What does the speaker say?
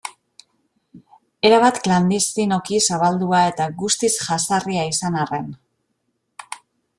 Erabat klandestinoki zabaldua eta guztiz jazarria izan arren.